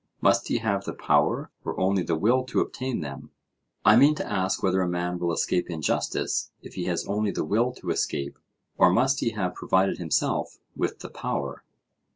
must he have the power, or only the will to obtain them? I mean to ask whether a man will escape injustice if he has only the will to escape, or must he have provided himself with the power?